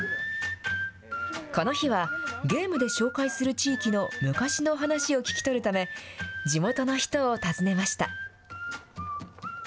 この日は、ゲームで紹介する地域の昔の話を聞き取るため、地元の人を訪ねました。